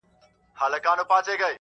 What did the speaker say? په تنور کي زېږېدلي په تنور کي به ښخیږي.!